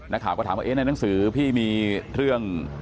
นักข่าวก็ถามว่าในหนังสือพี่มีเรื่อง